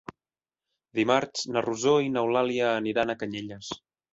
Dimarts na Rosó i n'Eulàlia aniran a Canyelles.